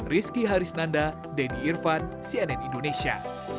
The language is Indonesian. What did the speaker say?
rizky harisnanda denny irvan cnn indonesia